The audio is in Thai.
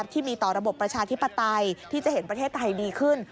ที่มีต่อระบบประชาธิปไตยที่จะเห็นประเทศไทยดีขึ้น